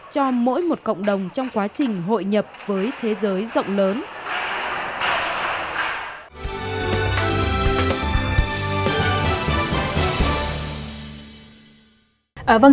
cho mỗi một cộng đồng trong quá trình hội nhập với thế giới rộng lớn